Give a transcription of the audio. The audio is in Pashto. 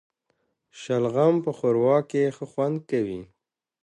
شلغم په ښوروا کي ښه خوند کوي